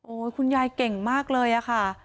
คุณยายเก่งมากเลยอะค่ะ